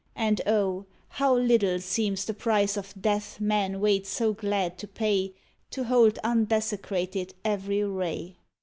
And OI how little seems The price of death men wait so glad to pay To hold undesecrated every ray!